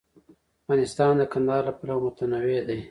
افغانستان د کندهار له پلوه متنوع دی.